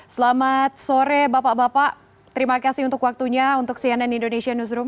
selamat sore bapak bapak terima kasih untuk waktunya untuk cnn indonesia newsroom